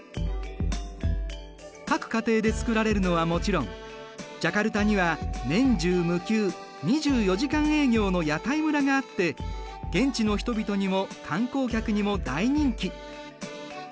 各家庭で作られるのはもちろんジャカルタには年中無休２４時間営業の屋台村があって現地の人々にも観光客にも大人気。